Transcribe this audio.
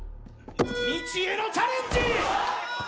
未知へのチャレンジ！